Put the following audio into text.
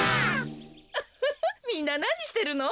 ウフフみんななにしてるの？